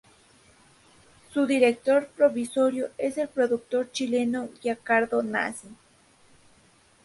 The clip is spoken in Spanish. Su director provisorio es el productor chileno Giancarlo Nasi.